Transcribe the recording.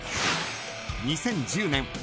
２０１０年